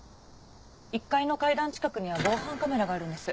１階の階段近くには防犯カメラがあるんです。